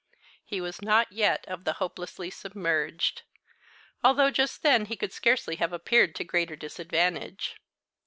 He was not yet of the hopelessly submerged; although just then he could scarcely have appeared to greater disadvantage.